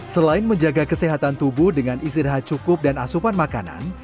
selain menjaga kesehatan tubuh dengan istirahat cukup dan asupan makanan